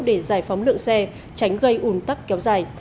để giải phóng lượng xe tránh gây ủn tắc kéo dài